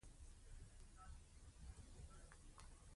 لمسی تل نازول کېږي.